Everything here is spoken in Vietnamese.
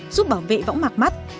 giúp bảo vệ võng mặt mắt